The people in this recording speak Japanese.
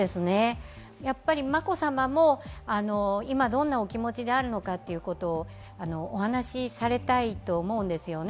眞子さまも今、どんなお気持ちであるのかということをお話しされたいと思うんですよね。